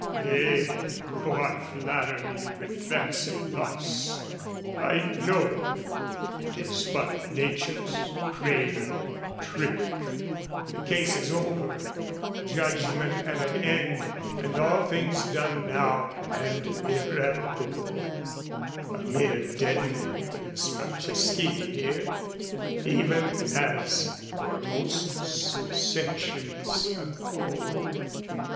Yea, though I flatter me with fancy thus, I know it is but nature's craven trick. The case is over, judgment at an end, And all things done now and irrevocable: A mere dead man is Franceschini here, Even as Formosus centuries ago.